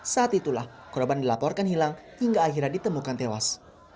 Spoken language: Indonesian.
saat itulah korban dilaporkan hilang hingga akhirnya ditemukan tewas